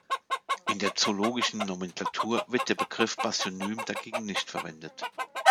In der zoologischen Nomenklatur wird der Begriff Basionym dagegen nicht verwendet.